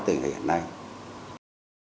các cơ quan nhà nước